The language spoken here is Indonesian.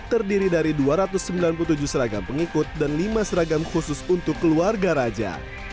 terdiri dari dua ratus sembilan puluh tujuh seragam pengikut dan lima seragam khusus untuk keluarga raja